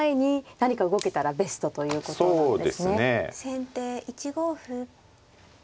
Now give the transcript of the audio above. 先手１五歩。